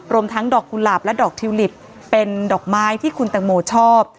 ทั้งดอกกุหลาบและดอกทิวลิปเป็นดอกไม้ที่คุณตังโมชอบ